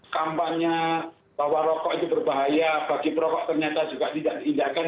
kampanye bahwa rokok itu berbahaya bagi perokok ternyata juga tidak diindahkan